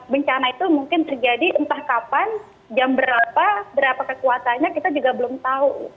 bencana itu mungkin terjadi entah kapan jam berapa berapa kekuatannya kita juga belum tahu